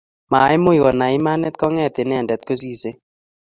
Maimuch konai imanit kong'et inendet kosisei